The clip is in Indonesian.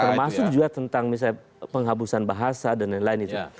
termasuk juga tentang misalnya penghabusan bahasa dan lain lain itu